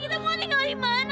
kita mau tinggal di mana